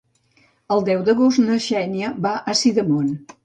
El deu d'agost na Xènia va a Sidamon.